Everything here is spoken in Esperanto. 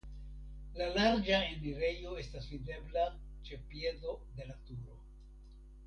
La larĝa enirejo estas videbla ĉe piedo de la turo.